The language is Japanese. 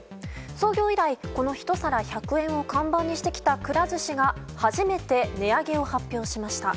創業以来、この１皿１００円を看板にしてきた、くら寿司が初めて値上げを発表しました。